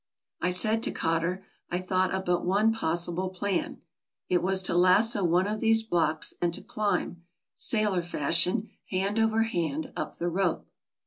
I said to Cotter, I thought of but one possible plan: it was to lasso one of these blocks, and to climb, sailor fashion, hand over hand, up the rope.